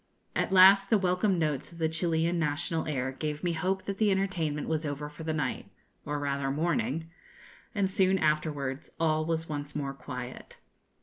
At last the welcome notes of the Chilian national air gave me hope that the entertainment was over for the night or rather morning and soon afterwards all was once more quiet.